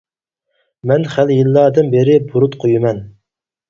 مەن خېلى يىللاردىن بېرى بۇرۇت قويىمەن.